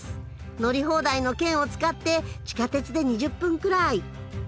乗り放題の券を使って地下鉄で２０分くらい。